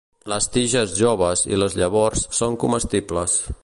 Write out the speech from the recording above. Les tiges joves i les llavors són comestibles.